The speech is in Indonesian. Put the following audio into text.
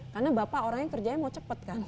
karena bapak orangnya kerjanya mau cepet kan